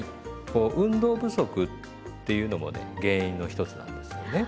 こう運動不足っていうのもね原因の一つなんですよね。